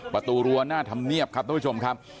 ประตูรั้วหน้าธรรมเนียบครับทุกผู้ชมครับ